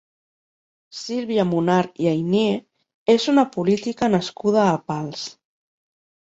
Sílvia Monar i Aynier és una política nascuda a Pals.